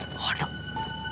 tidak ada apa apa